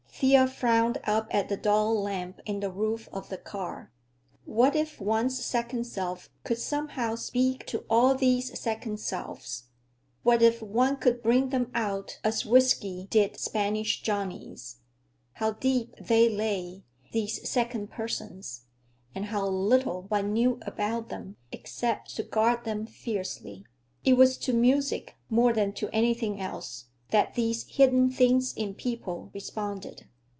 Thea frowned up at the dull lamp in the roof of the car. What if one's second self could somehow speak to all these second selves? What if one could bring them out, as whiskey did Spanish Johnny's? How deep they lay, these second persons, and how little one knew about them, except to guard them fiercely. It was to music, more than to anything else, that these hidden things in people responded.